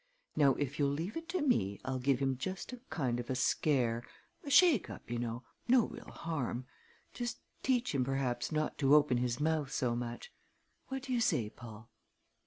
Now if you'll leave it to me I'll give him just a kind of a scare a shake up, you know no real harm; just teach him, perhaps, not to open his mouth so much. What do you say, Paul?"